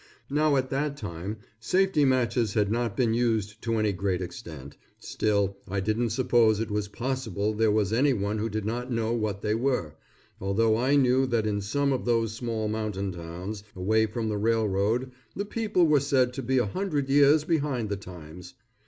Now at that time safety matches had not been used to any great extent, still I didn't suppose it was possible there was anyone who did not know what they were, although I knew that in some of those small mountain towns away from the railroad, the people were said to be a hundred years behind the times.